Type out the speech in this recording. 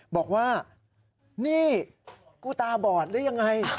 บอกว่านี่กูตาบอดหรือยังไง